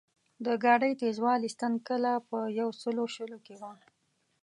د ګاډۍ تېزوالي ستن کله په یو سلو شلو کې وه.